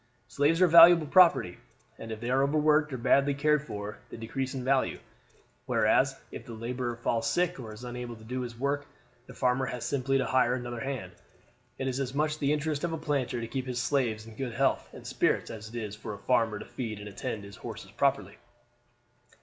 Slaves are valuable property, and if they are overworked or badly cared for they decrease in value. Whereas if the laborer falls sick or is unable to do his work the farmer has simply to hire another hand. It is as much the interest of a planter to keep his slaves in good health and spirits as it is for a farmer to feed and attend to his horses properly.